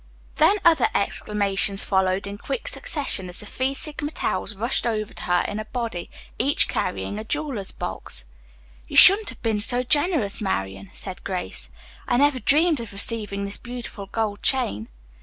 Then other exclamations followed in quick succession as the Phi Sigma Taus rushed over to her in a body, each carrying a jeweler's box. "You shouldn't have been so generous, Marian," said Grace. "I never dreamed of receiving this beautiful gold chain."